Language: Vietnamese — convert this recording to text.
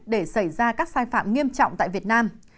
để xảy ra các sai phạm nghiêm trọng tại việt nam